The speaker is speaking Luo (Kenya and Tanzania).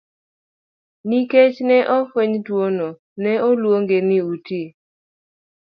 Nikech ne ofweny tuwono ne oluonge ni uti.